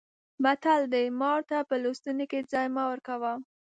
متل دی: مار ته په لستوڼي کې ځای مه ورکوه.